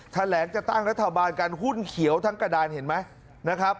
ทางแหลงจะตั้งรัฐบาลการหุ้นเขียวทั้งกระดานเห็นไหม